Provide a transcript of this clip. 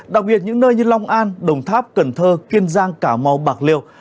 đặc biệt những nơi như long an đồng tháp cần thơ kiên giang cà mau bạc liêu